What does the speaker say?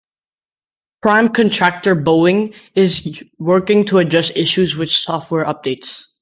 Prime contractor Boeing is working to address issues with software updates.